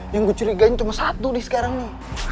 yang gue curigain cuma satu nih sekarang nih